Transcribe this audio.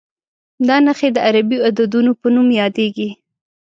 دا نښې د عربي عددونو په نوم یادېږي.